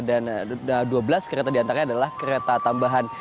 dan dua belas kereta diantaranya adalah kereta tambahan